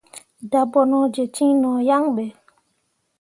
Dabonoje cin no yan be.